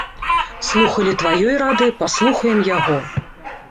Слухалі тваёй рады, паслухаем яго.